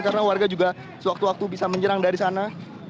karena warga juga sewaktu waktu bisa menyerang dari sana